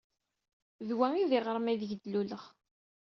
D wa ay d iɣrem aydeg d-luleɣ.